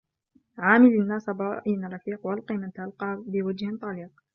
عامل الناس برأي رفيق والق من تلقى بوجه طليق